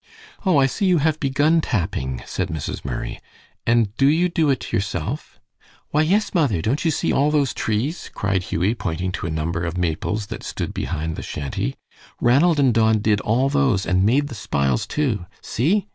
"Oh, I see you have begun tapping," said Mrs. Murray; "and do you do it yourself?" "Why, yes, mother; don't you see all those trees?" cried Hughie, pointing to a number of maples that stood behind the shanty. "Ranald and Don did all those, and made the spiles, too. See!"